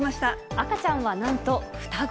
赤ちゃんはなんと、双子。